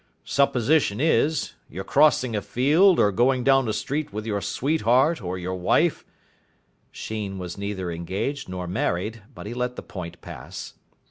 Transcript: Supposition is, you're crossing a field or going down a street with your sweetheart or your wife " Sheen was neither engaged nor married, but he let the point pass.